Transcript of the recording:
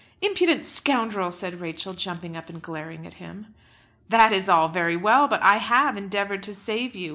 "Impudent scoundrel," said Rachel, jumping up and glaring at him. "That is all very well, but I have endeavoured to save you.